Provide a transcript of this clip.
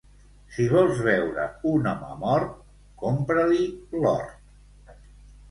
Si vols veure un home mort, compra-li l'hort.